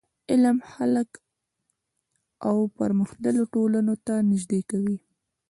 علم خلک و پرمختللو ټولنو ته نژدي کوي.